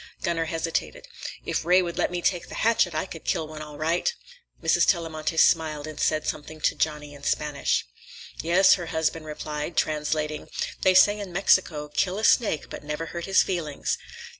Gunner hesitated. "If Ray would let me take the hatchet, I could kill one all right." Mrs. Tellamantez smiled and said something to Johnny in Spanish. "Yes," her husband replied, translating, "they say in Mexico, kill a snake but never hurt his feelings.